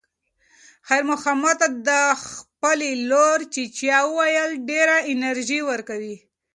خیر محمد ته د خپلې لور "چیچیه" ویل ډېره انرژي ورکوي.